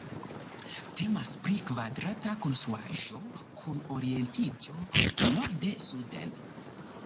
Temas pri kvadrata konstruaĵo kun orientiĝo norde-suden.